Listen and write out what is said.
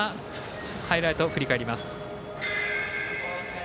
ハイライトを振り返ります。